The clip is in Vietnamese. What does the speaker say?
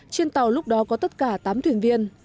trên tàu lúc đó có tất cả tám thuyền viên